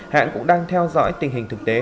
hãng cũng đang theo dõi tình hình thực tế